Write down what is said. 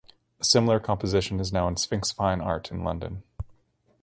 A similar composition is now in Sphinx Fine Art in London.